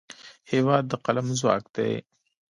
هېواد د قلم ځواک دی.